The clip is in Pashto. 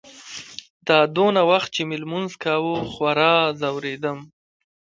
دا دونه وخت چې مې لمونځ کاوه خورا ځورېدم.